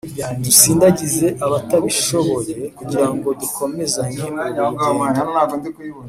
dusindagize abatabishoboye kugira ngo dukomezanye uru rugendo